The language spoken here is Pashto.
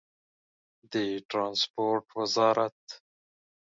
د ټرانسپورټ وزارت